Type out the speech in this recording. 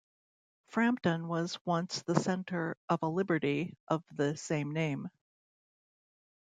Frampton was once the centre of a Liberty of the same name.